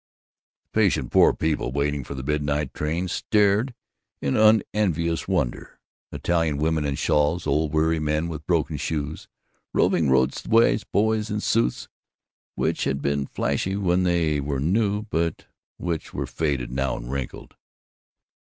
The patient poor people waiting for the midnight train stared in unenvious wonder Italian women with shawls, old weary men with broken shoes, roving road wise boys in suits which had been flashy when they were new but which were faded now and wrinkled.